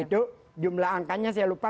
itu jumlah angkanya saya lupa